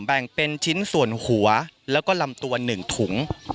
แบ่งเป็นชิ้นส่วนหัวแล้วก็ลำตัว๑ถุง